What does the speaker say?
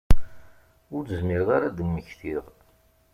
Ur zmireɣ ara ad mmektiɣ.